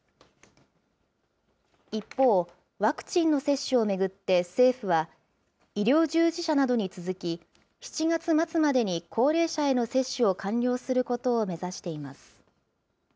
一方、ワクチンの接種を巡って政府は、医療従事者などに続き、７月末までに高齢者への接種を完了することを目指しています。